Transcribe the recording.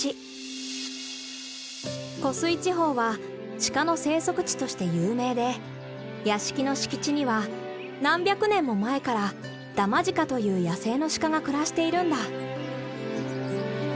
湖水地方はシカの生息地として有名で屋敷の敷地には何百年も前からダマジカという野生のシカが暮らしているんだ。